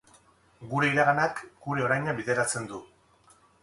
Gure iraganak gure oraina bideratzen du.